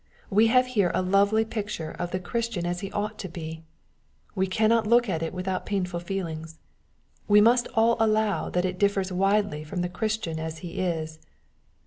We have here a lovely picture of the Christian as he ought to be. We cannot look at it without painful feelings. We must aU allow that it differs widely from the Christian as he is.